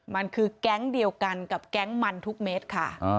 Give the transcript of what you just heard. มันคือแก๊งเดียวกันกับแก๊งมันทุกเมตรค่ะ